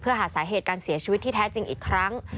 เพื่อหาสาเหตุการเสียชีวิตที่แท้จริงอีกครั้ง